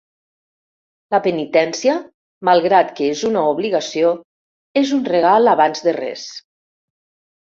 La penitència, malgrat que és una obligació, és un regal abans de res.